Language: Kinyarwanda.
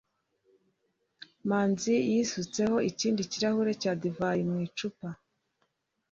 manzi yisutseho ikindi kirahure cya divayi mu icupa